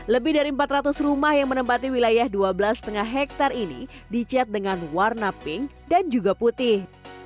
lebih dari empat ratus rumah yang menempati wilayah dua belas lima hektare ini dicat dengan warna pink dan juga putih